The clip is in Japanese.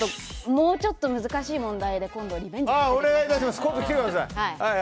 もうちょっと難しい問題で今度リベンジさせてください。